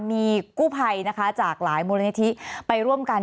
มีกู้ภัยนะคะจากหลายมูลนิธิไปร่วมกัน